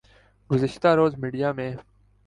گزشتہ روز میڈیا میں